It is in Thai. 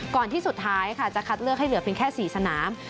ก่อนที่สุดท้ายค่ะจะคัดเลือกให้เหลือเพียงแค่๔สนาม